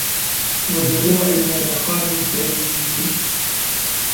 وَزُروعٍ وَمَقامٍ كَريمٍ